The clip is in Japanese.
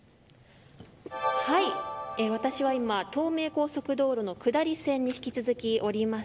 私は今、東名高速道路の下り線に、引き続きおります。